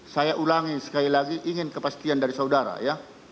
saya ulangi sekali lagi ingin kepastian dari saudara ya